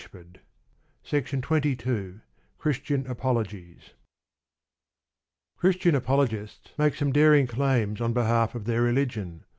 CHRISTIAN APOLOGIES CHRISTIAN APOLOGIES Christian apologists make some daring claims on behalf of their religion.